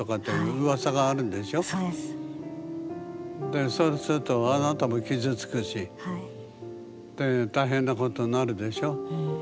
でそうするとあなたも傷つくしで大変なことになるでしょう。